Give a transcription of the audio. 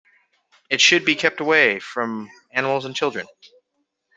It should be kept away from animals and children.